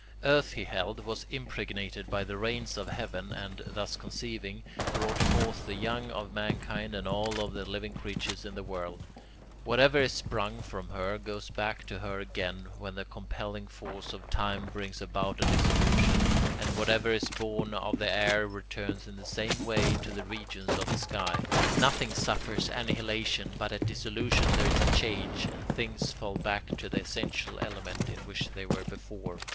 Earth, he held, was impregnated by the rains of heaven and, thus conceiving, brought forth the young of mankind and of all the living creatures in the world; whatever is sprung from her goes back to her again when the compelling force of time brings about a dissolution; and whatever is born of the air returns in the same way to the regions of the sky; nothing suffers annihilation, but at dissolution there is a change, and things fall back to the essential element in which they were before.